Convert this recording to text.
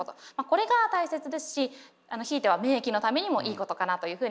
これが大切ですしひいては免疫のためにもいいことかなというふうに思います。